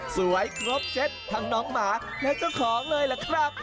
ครบเซตทั้งน้องหมาและเจ้าของเลยล่ะครับ